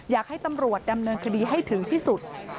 อยากให้ตำรวจดำเนินคดีให้ถึงที่สุด